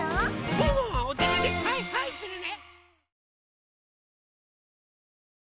ワンワンはおててではいはいするね！